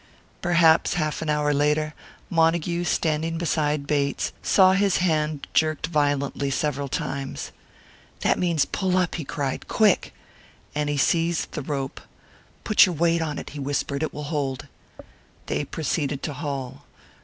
Perhaps half an hour later, Montague, standing beside Bates, saw his hand jerked violently several times. "That means pull up!" cried he. "Quick!" And he seized the rope. "Put your weight on it," he whispered. "It will hold." They proceeded to haul.